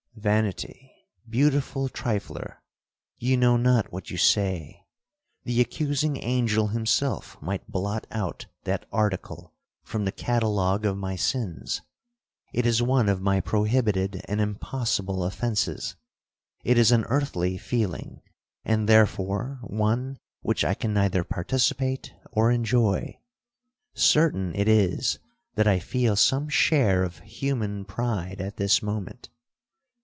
'—'Vanity! beautiful trifler, you know not what you say; the accusing angel himself might blot out that article from the catalogue of my sins. It is one of my prohibited and impossible offences; it is an earthly feeling, and therefore one which I can neither participate or enjoy. Certain it is that I feel some share of human pride at this moment.'